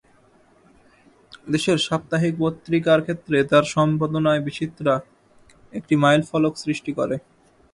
দেশের সাপ্তাহিক পত্রিকার ক্ষেত্রে তাঁর সম্পাদনায় বিচিত্রা একটি মাইলফলক সৃষ্টি করে।